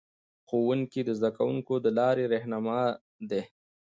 ښوونکي د زده کوونکو د لارې رهنما دي.